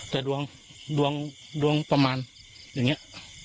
แต่ดวงดวงประมาณอย่างนี้